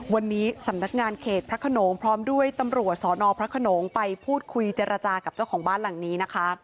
วันนี้สำนักงานเขตพระขนงพร้อมด้วยตำรวจสนพระขนงไปพูดคุยเจรจากับเจ้าของบ้านหลังนี้นะคะ